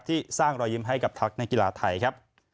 สร้างรอยยิ้มให้กับทักนักกีฬาไทยครับ